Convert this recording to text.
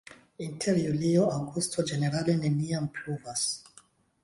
Inter julio-aŭgusto ĝenerale neniam pluvas.